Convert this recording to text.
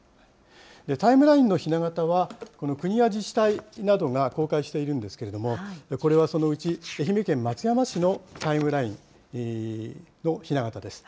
タイムラインのひな型は、国や自治体などが公開しているんですけれども、これはそのうち、愛媛県松山市のタイムラインのひな型です。